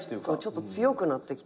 ちょっと強くなってきたな。